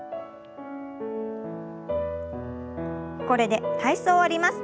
これで体操を終わります。